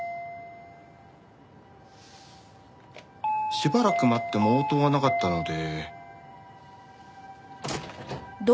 しばらく待っても応答がなかったので。